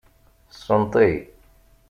Senṭi.